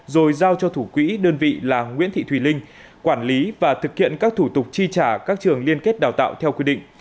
rồi giao cho thủ quỹ đơn vị là nguyễn thị thùy linh quản lý và thực hiện các thủ tục chi trả các trường liên kết đào tạo theo quy định